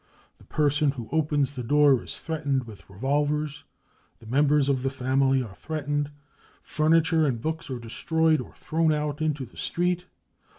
The person who opens the door is threatened with revolvers ; die members of the family are threatened ; furniture and books are destroyed or thrown out into the street.